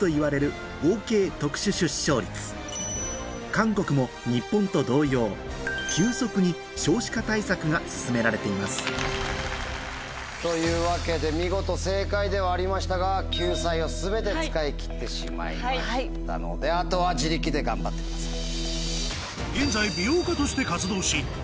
韓国も日本と同様急速にというわけで見事正解ではありましたが救済を全て使い切ってしまいましたので後は自力で頑張ってください。